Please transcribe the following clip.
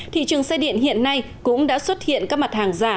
thị trường xe điện hiện nay cũng đã xuất hiện các mặt hàng giả